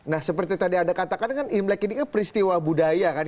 nah seperti tadi anda katakan kan imlek ini kan peristiwa budaya kan